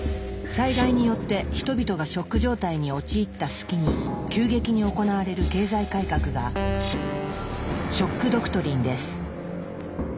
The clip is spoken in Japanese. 災害によって人々がショック状態に陥った隙に急激に行われる経済改革が「ショック・ドクトリン」です。